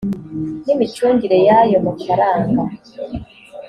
n imicungire y ayo mafaranga